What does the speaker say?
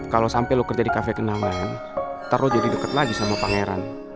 kalau sampe lo kerja di kafe kenangan ntar lo jadi deket lagi sama pangeran